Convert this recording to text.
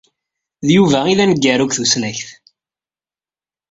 D Yuba ay d aneggaru deg tusnakt.